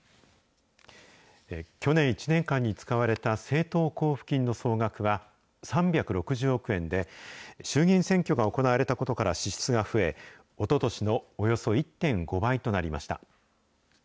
去年１年間に使われた政党交付金の総額は３６０億円で、衆議院選挙が行われたことから支出が増え、おととしのおよそ１．５倍となりました。